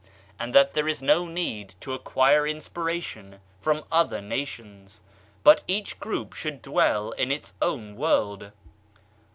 And that there is no need to acquire inspiration from other nations. But each group should dwell in its own world.